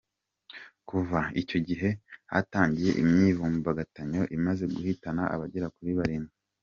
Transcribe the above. Kuva icyo gihe hatangiye imyivumbagatanyo imaze guhitana abagera kuri barindwi.